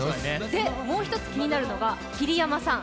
もう一つ気になるのが桐山さん。